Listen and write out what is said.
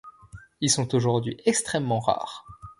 Ils sont aujourd'hui extrêmement rares.